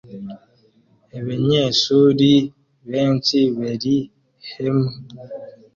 ebenyeshuri benshi beri hemwe